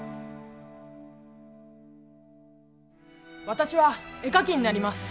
私は絵描きになります。